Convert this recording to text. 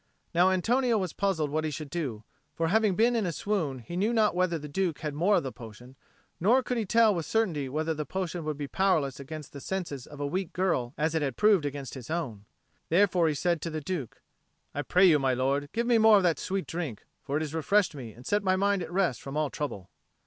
Now Antonio was puzzled what he should do; for having been in a swoon, he knew not whether the Duke had more of the potion; nor could he tell with certainty whether the potion would be powerless against the senses of a weak girl as it had proved against his own. Therefore he said to the Duke, "I pray you, my lord, give me more of that sweet drink. For it has refreshed me and set my mind at rest from all trouble."